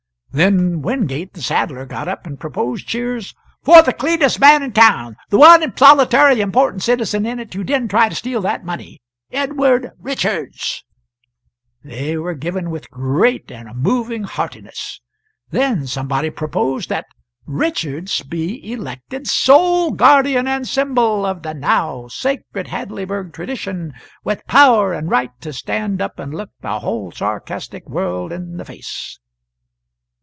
Then Wingate, the saddler, got up and proposed cheers "for the cleanest man in town, the one solitary important citizen in it who didn't try to steal that money Edward Richards." They were given with great and moving heartiness; then somebody proposed that "Richards be elected sole Guardian and Symbol of the now Sacred Hadleyburg Tradition, with power and right to stand up and look the whole sarcastic world in the face."